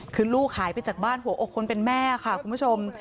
คือลูกหายไปจากบ้านหัวอกคนเป็นแม่ค่ะคุณผู้ชม